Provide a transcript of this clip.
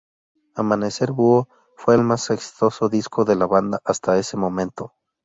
Amanecer Búho fue el más exitoso disco de la banda hasta ese momento.